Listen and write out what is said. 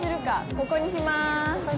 ここにしまーす。